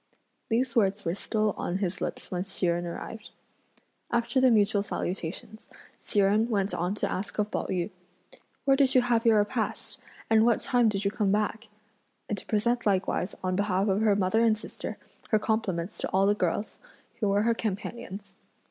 These words were still on his lips when Hsi Jen arrived. After the mutual salutations, Hsi Jen went on to ask of Pao yü: "Where did you have your repast? and what time did you come back?" and to present likewise, on behalf of her mother and sister, her compliments to all the girls, who were her companions.